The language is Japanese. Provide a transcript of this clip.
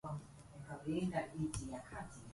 宮城県蔵王町